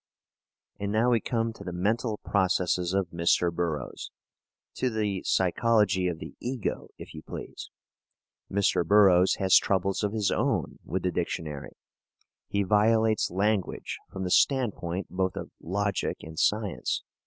And now we come to the mental processes of Mr. Burroughs to the psychology of the ego, if you please. Mr. Burroughs has troubles of his own with the dictionary. He violates language from the standpoint both of logic and science.